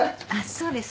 そうですか。